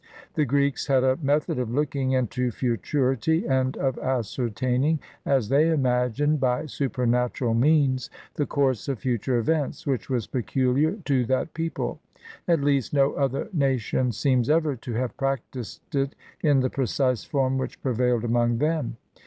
The Greeks had a method of looking into futurity, and of ascertaining, as they imagined, by supernatural means, the course of future events, which was peculiar to that people; at least no other nation seems ever to have practiced it in the precise form which prevailed among them.